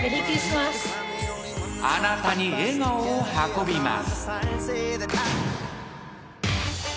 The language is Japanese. ［あなたに笑顔を運びます］